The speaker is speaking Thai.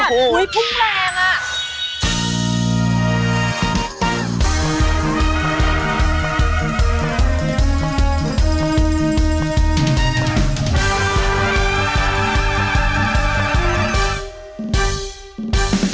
ไปได้